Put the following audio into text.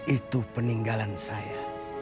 itu peninggalan saya